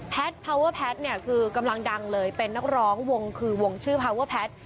พาวเวอร์แพทย์เนี่ยคือกำลังดังเลยเป็นนักร้องวงคือวงชื่อพาเวอร์แพทย์